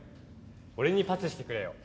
俺にパスしてくれよ。